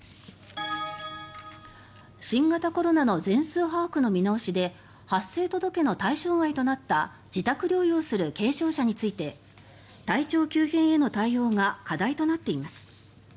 新型コロナの全数把握の見直しで発生届の対象外となった自宅療養する軽症者について体調急変への対応が課題となっています。